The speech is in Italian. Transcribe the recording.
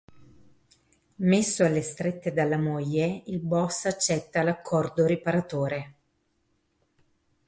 Messo alle strette dalla moglie, il boss accetta l'"accordo" riparatore.